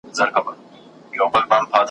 خو جاهل اولس `